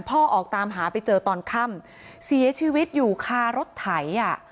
ออกตามหาไปเจอตอนค่ำเสียชีวิตอยู่คารถไถอ่ะ